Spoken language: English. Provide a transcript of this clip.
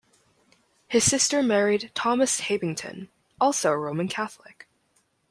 His sister married Thomas Habington, also a Roman Catholic.